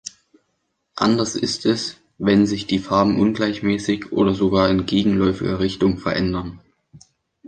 Anders ist es, wenn sich die Farben ungleichmäßig oder sogar in gegenläufiger Richtung verändern.